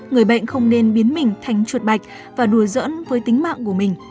người bệnh không nên biến mình thành chuột bạch và đùa giẫn với tính mạng của mình